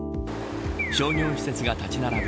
商業施設が立ち並ぶ